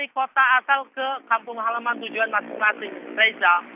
pasal ke kampung halaman tujuan masin masin reza